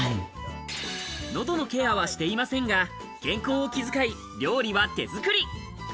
喉のケアはしていませんが、健康を気遣い、料理は手作り。